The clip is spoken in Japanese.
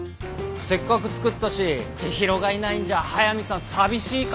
せっかく作ったし知博がいないんじゃ速見さん寂しいかと思ってな。